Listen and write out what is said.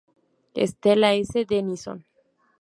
Stella S. Denison.